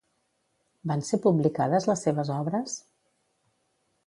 Van ser publicades les seves obres?